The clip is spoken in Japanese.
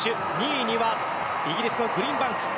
２位にはイギリスのグリーンバンク。